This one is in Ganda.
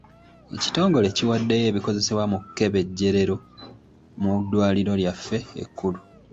Ekitongole kiwaddeyo ebikozesebwa mu kkebejjerero mu ddwaliro lyaffe ekkulu.